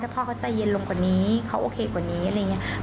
พ่อเขาใจเย็นลงกว่านี้เขาโอเคกว่านี้อะไรอย่างนี้